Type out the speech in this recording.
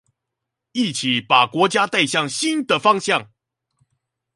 一起把國家帶向新的方向